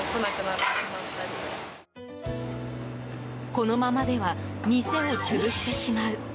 このままでは店を潰してしまう。